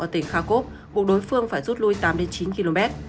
ở tỉnh kharkov buộc đối phương phải rút lui tám chín km